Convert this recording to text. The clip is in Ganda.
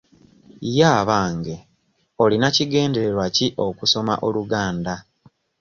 Ye abange olina kigendererwa ki okusoma Oluganda?